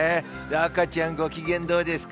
赤ちゃん、ご機嫌どうですか？